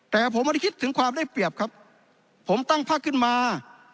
แต่ผมไม่ได้คิดถึงความได้เปรียบครับผมตั้งพักขึ้นมา